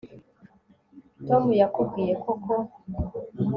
tom yakubwiye koko